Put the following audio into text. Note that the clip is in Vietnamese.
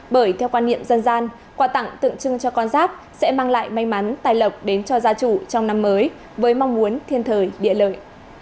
bởi theo quan niệm dân gian quà tặng tượng trưng cho con giáp sẽ mang lại may mắn tài lộc đến cho gia chủ trong năm mới với mong muốn thiên thời địa lợi